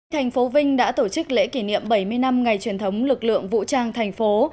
thành phố vinh đã tổ chức lễ kỷ niệm bảy mươi năm ngày truyền thống lực lượng vũ trang thành phố